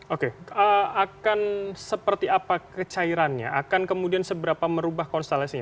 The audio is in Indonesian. oke akan seperti apa kecairannya akan kemudian seberapa merubah konstelasinya